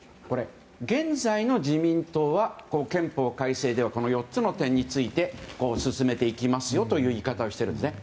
現在の自民党は憲法改正ではこの４つの点について進めていきますよという言い方をしてるんですね。